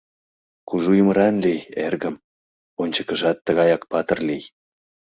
— Кужу ӱмыран лий, эргым, ончыкыжат тыгаяк патыр лий.